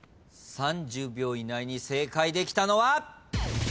３０秒以内に正解できたのは。